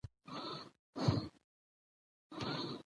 احمد شاه بابا په نړیواله کچه شهرت لري.